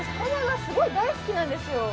すごい大好きなんですよ